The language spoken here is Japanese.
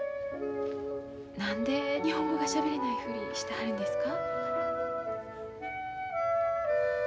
何で日本語がしゃべれないふりしてはるんですか？